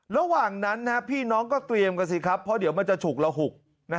ระหว่างนั้นพี่น้องก็เตรียมกันสิครับเพราะเดี๋ยวมันจะฉุกระหุก